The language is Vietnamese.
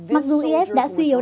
mặc dù is đã suy yếu đáng